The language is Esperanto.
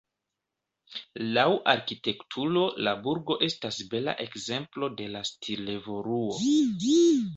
Laŭ arkitekturo la burgo estas bela ekzemplo de la stil-evoluo.